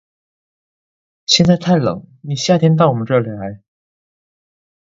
现在太冷，你夏天到我们这里来。